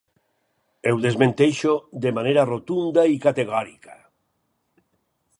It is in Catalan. Ho desmenteixo de manera rotunda i categòrica.